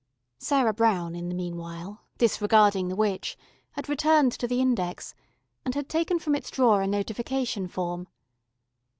Sarah Brown in the meanwhile, disregarding the witch, had returned to the index, and had taken from its drawer a notification form.